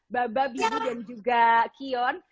baba bibi dan juga kion